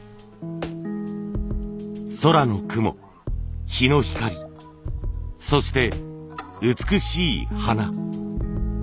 空の雲日の光そして美しい花。